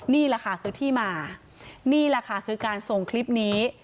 นี่แหละค่ะคือที่มานี่แหละค่ะคือการส่งคลิปนี้